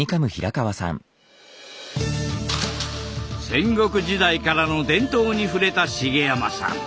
戦国時代からの伝統に触れた茂山さん。